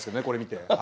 これ見て。